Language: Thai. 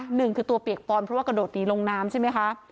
หนึ่งคือตัวเปียกปอนเพราะว่ากระโดดหนีลงน้ำใช่ไหมคะ